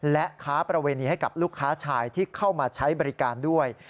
และค้าประเวณีให้กับลูกค้าชายที่เข้ามาใช้บริการด้วย